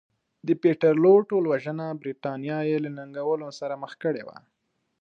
د پیټرلو ټولوژنه برېټانیا یې له ننګونو سره مخ کړې وه.